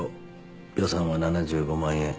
予算は７５万円。